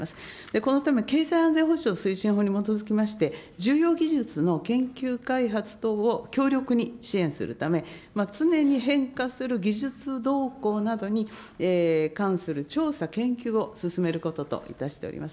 このため、経済安全保障推進法に基づきまして、重要技術の研究開発等を強力に支援するため、常に変化する技術動向などに関する調査研究を進めることといたしております。